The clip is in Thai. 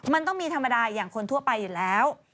มันต้องมีธรรมดาอย่างคนทั่วไปอยู่แล้ว